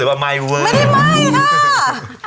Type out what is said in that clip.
ไม่ได้ไม่ค่ะ